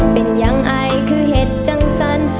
เป็นยังไงคือเห็ดจังสั่น